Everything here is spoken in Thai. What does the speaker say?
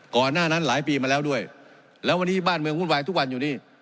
ก่อนหน้านั้นหลายปีมาแล้วด้วยแล้ววันนี้บ้านเมืองวุ่นวายทุกวันอยู่นี่